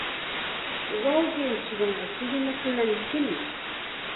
Wawqinchikwanqa kuyanakunanchikmi.